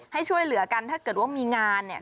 ให้ช่วยเหลือกันถ้าเกิดว่ามีงานเนี่ย